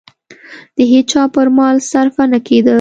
د هېچا پر مال صرفه نه کېده.